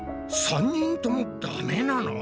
３人ともダメなの？